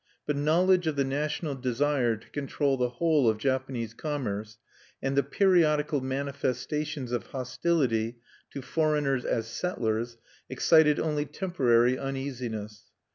But knowledge of the national desire to control the whole of Japanese commerce, and the periodical manifestations of hostility to foreigners as settlers, excited only temporary uneasiness.